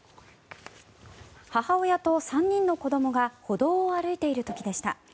母親と３人の子どもが歩道を歩いている時でした。